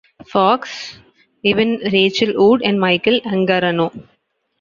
Fox, Evan Rachel Wood and Michael Angarano.